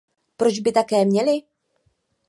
Proč by také měli?